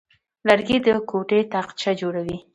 لرګی د کوټې تاقچه جوړوي.